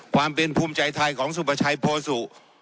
ความเป็นภูมิใจไทยของสุประชัยโพสุ